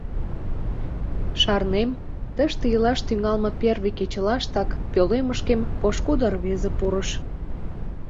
Шарнем, тыште илаш тӱҥалме первый кечылаштак пӧлемышкем пошкудо рвезе пурыш.